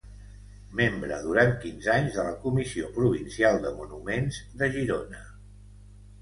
Membre durant quinze anys de la Comissió Provincial de Monuments de Girona.